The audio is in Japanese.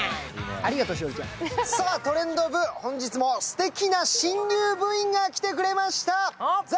トレンド部、本日もすてきな新入部員が来てくれました。